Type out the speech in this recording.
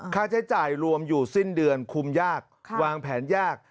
ค่าใช้จ่ายรวมอยู่สิ้นเดือนคุมยากวางแผนยาก